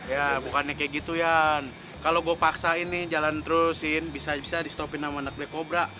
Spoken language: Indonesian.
ya bukannya kaya gitu yan kalo gua paksain nih jalan terusin bisa bisa di stopin sama anak black cobra